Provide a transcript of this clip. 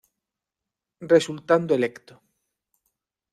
Resultando electo.